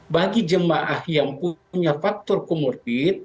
bagi jemaah yang punya faktor komorbid